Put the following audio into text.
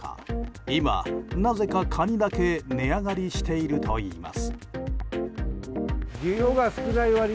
今、なぜかカニだけ値上がりしているといいます。